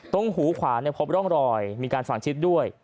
ตรงหูขวาพบร่องรอยมีการฝังชิดด้วย